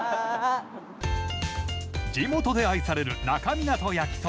地元で愛される那珂湊焼きそば。